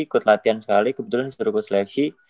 ikut latihan sekali kebetulan disuruh ikut seleksi